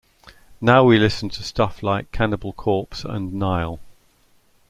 Now we listen to stuff like Cannibal Corpse and Nile.